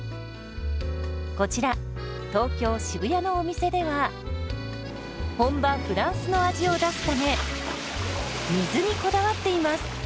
こちら東京・渋谷のお店では本場フランスの味を出すため水にこだわっています。